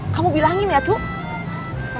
kamu bilangin ya cuy